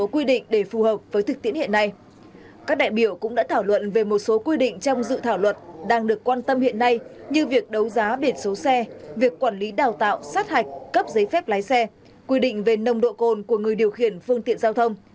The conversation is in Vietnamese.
cục đường bộ việt nam đã thảo luận về một số quy định trong dự thảo luận đang được quan tâm hiện nay như việc đấu giá biển số xe việc quản lý đào tạo sát hạch cấp giấy phép lái xe quy định về nồng độ cồn của người điều khiển phương tiện giao thông